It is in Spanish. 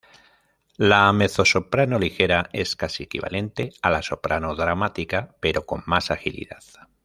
La "mezzosoprano ligera" es casi equivalente a la "soprano dramática", pero con más agilidad.